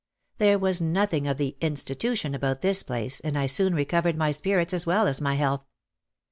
There was nothing of the "institution" about this place and I soon recovered my spirits as well as my health.